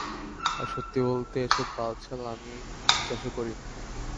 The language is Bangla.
আর সত্যি বলতে, এসব বালছাল আমি বিশ্বাসও করি না।